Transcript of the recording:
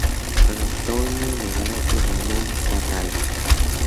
Antonio Nadal y Ramón Catalá.